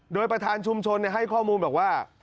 โดยประธานชุมชนให้ข้อมูลบอกว่า